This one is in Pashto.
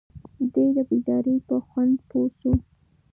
دی د بیدارۍ په خوند پوه شو.